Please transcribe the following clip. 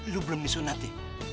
lu belum disunat ya